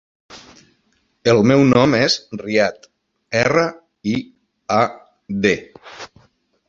El meu nom és Riad: erra, i, a, de.